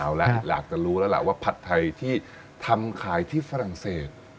เอาล่ะอยากจะรู้แล้วล่ะว่าผัดไทยที่ทำขายที่ฝรั่งเศส